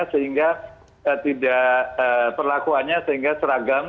sehingga perlakuannya seragam